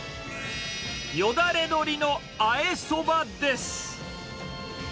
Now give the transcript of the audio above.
よだれ鶏のあえそばです。